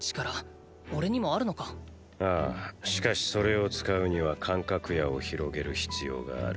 しかしそれを使うには感覚野を広げる必要がある。